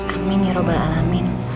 amin ya rabbal alamin